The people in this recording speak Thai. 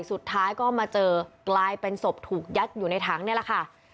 สุดท้ายก็มาเจอกลายเป็นศพถูกยัดอยู่ในถังนี่แหละค่ะ